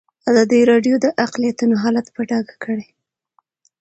ازادي راډیو د اقلیتونه حالت په ډاګه کړی.